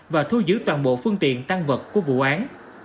và thu giữ toàn bộ phương tiện tăng vật của vụ án